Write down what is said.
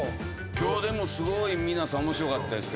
今日でもすごい皆さん面白かったですよ。